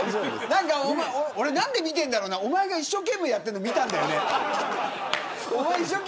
俺、何で見ているんだろうおまえが一生懸命やっているの見たんだよね。